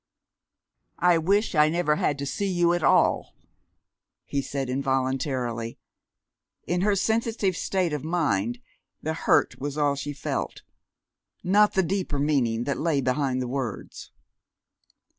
"I wish I never had to see you at all!" he said involuntarily. In her sensitive state of mind the hurt was all she felt not the deeper meaning that lay behind the words.